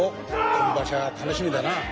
今場所は楽しみだな。